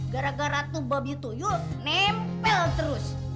gara gara tuh babi tuyul nempel terus